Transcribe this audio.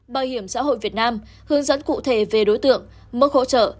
bảo hiểm xã hội việt nam hướng dẫn cụ thể về đối tượng mức hỗ trợ